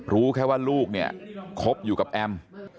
รู้แค่ว่าลูกเนี่ยคบอยู่กับแอม